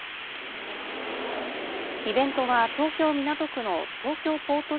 イベントは、東京・港区の東京ポート